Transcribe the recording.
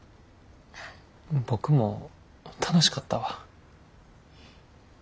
僕も楽しかったわ。